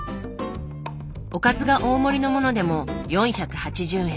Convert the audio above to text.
おかずが大盛りのものでも４８０円。